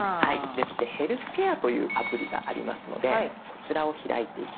で「ヘルスケア」というアプリがありますのでこちらを開いていきます。